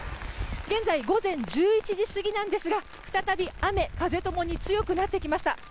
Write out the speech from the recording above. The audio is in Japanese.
現在、午前１１時過ぎなんですが再び雨、風ともに強くなってきました。